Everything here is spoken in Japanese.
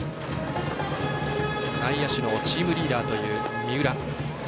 内野手のチームリーダー三浦。